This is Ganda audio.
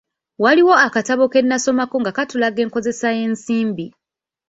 Waliwo akatabo ke nnasomako nga katulaga enkozesa y'ensimbi.